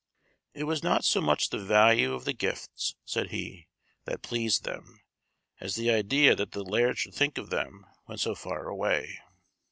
"It was not so much the value of the gifts," said he, "that pleased them, as the idea that the laird should think of them when so far away."